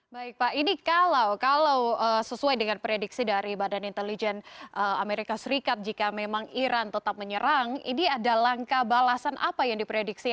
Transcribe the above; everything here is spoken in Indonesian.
baik pak ini kalau sesuai dengan prediksi dari badan intelijen amerika serikat jika memang iran tetap menyerang ini ada langkah balasan apa yang diprediksi